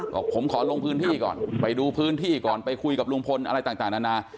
บอกผมขอลงพื้นที่ก่อนไปดูพื้นที่ก่อนไปคุยกับลุงพลอะไรต่างนานา